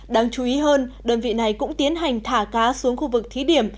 đáng chú ý hơn đơn vị này cũng tiến hành thả cá xuống khu vực thí điểm